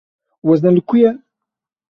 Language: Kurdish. Wezne li ku ye?